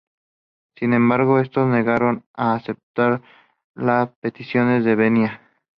Sin embargo estos se negaron a aceptar las peticiones de Viena.